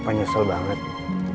cherry gak mau kenapa napa